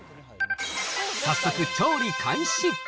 早速、調理開始。